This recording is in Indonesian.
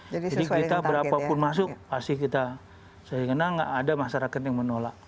jadi kita berapapun masuk pasti kita saya ingin ada masyarakat yang menolak